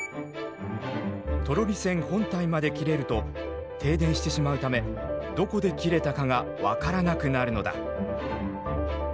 トロリ線本体まで切れると停電してしまうためどこで切れたかが分からなくなるのだ。